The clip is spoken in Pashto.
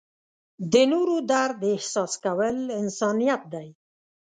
د نورو درد احساس کول انسانیت دی.